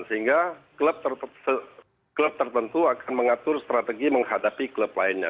sehingga klub tertentu akan mengatur strategi menghadapi klub lainnya